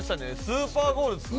スーパーゴールっすね。